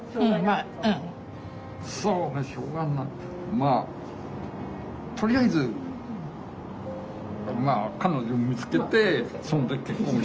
まあとりあえずまあ彼女見つけてそんで結婚したいなと。